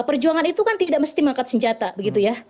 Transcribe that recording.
perjuangan itu kan tidak mesti mengangkat senjata begitu ya